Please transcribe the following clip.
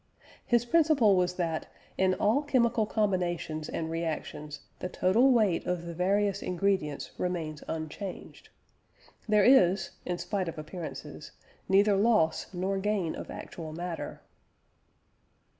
His principle was that in all chemical combinations and reactions, the total weight of the various ingredients remains unchanged; there is (in spite of appearances) neither loss nor gain of actual matter.